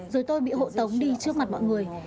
rồi tôi bị hộ tống đi trước mặt mọi người